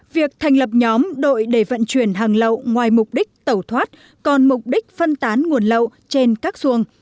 việc thành lập nhóm đội để vận chuyển hàng lậu ngoài mục đích tẩu thoát còn mục đích phân tán nguồn lậu trên các xuồng